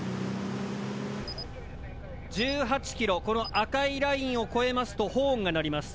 １８ｋｍこの赤いラインを越えますとホーンが鳴ります。